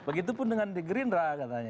begitupun dengan di gerindra katanya